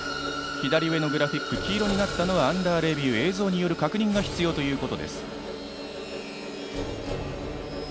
左上のグラフィック黄色になったのはアンダーレビュー、映像による確認が必要ということです。